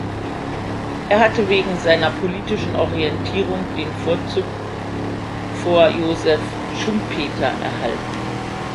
Er hatte wegen seiner politischen Orientierung den Vorzug vor Joseph Schumpeter erhalten.